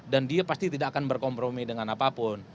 dan dia pasti tidak akan berkompromi dengan apapun